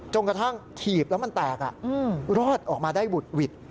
กระทั่งถีบแล้วมันแตกรอดออกมาได้บุดหวิด